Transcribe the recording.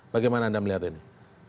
bagaimana anda melihatnya